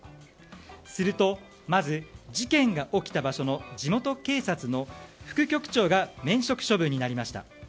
すると、まず事件が起きた場所の地元警察の副局長が免職処分になりました。